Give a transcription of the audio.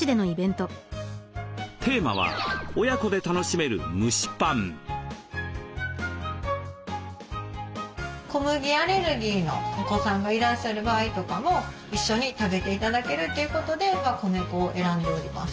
テーマは小麦アレルギーのお子さんがいらっしゃる場合とかも一緒に食べて頂けるということで米粉を選んでおります。